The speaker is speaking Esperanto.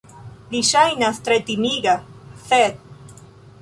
Li ŝajnas tre timiga... sed!